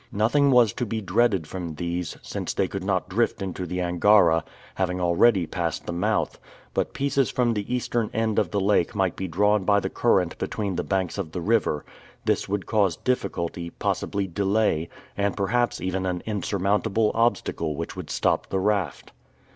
Nothing was to be dreaded from these, since they could not drift into the Angara, having already passed the mouth; but pieces from the Eastern end of the lake might be drawn by the current between the banks of the river; this would cause difficulty, possibly delay, and perhaps even an insurmountable obstacle which would stop the raft.